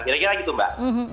kira kira gitu mbak